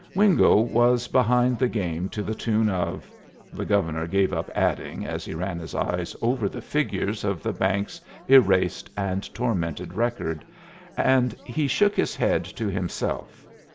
Wingo was behind the game to the tune of the Governor gave up adding as he ran his eye over the figures of the bank's erased and tormented record, and he shook his head to himself.